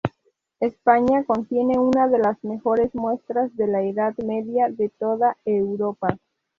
España contiene una de las mejores muestras de la Edad Media de toda Europa.